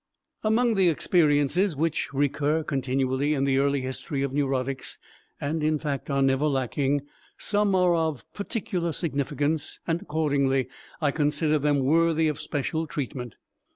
Among the experiences which recur continually in the early history of neurotics and, in fact, are never lacking, some are of particular significance and accordingly I consider them worthy of special treatment.